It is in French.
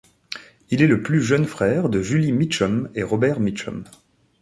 Il est le plus jeune frère de Julie Mitchum et Robert Mitchum.